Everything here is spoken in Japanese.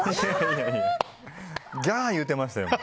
ギャー言うてましたよ。